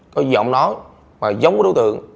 có gì ông nói mà giống đối tượng